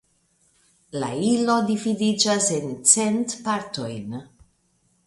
La ilo dividiĝas en cent partojn.